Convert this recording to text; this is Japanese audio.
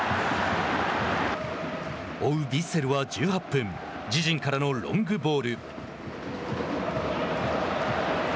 追うヴィッセルは１８分自陣からのロングボール。